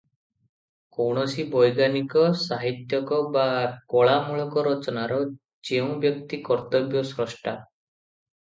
କୌଣସି ବୈଜ୍ଞାନିକ, ସାହିତ୍ୟିକ ବା କଳାମୂଳକ ରଚନାର ଯେଉଁ ବ୍ୟକ୍ତି କର୍ତ୍ତବ୍ୟ ସ୍ରଷ୍ଠା ।